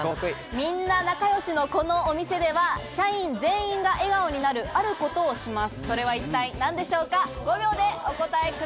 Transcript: みんな仲よしの、このお店では社員全員が笑顔になるあることをします。